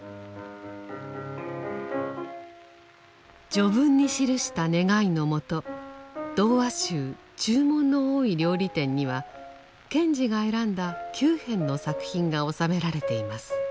序文に記した願いのもと童話集「注文の多い料理店」には賢治が選んだ９編の作品が収められています。